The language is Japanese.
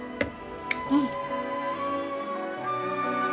うん。